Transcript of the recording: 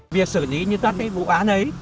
việc xử lý những các vụ án ấy